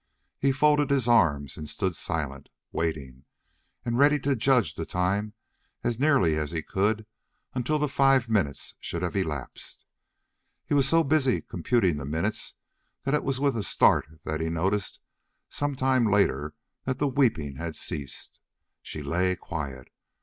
He folded his arms and stood silent, waiting, and ready to judge the time as nearly as he could until the five minutes should have elapsed. He was so busy computing the minutes that it was with a start that he noticed some time later that the weeping had ceased. She lay quiet.